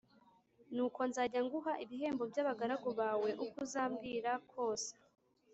Nuko nzajya nguha ibihembo by’abagaragu bawe uko uzambwira kose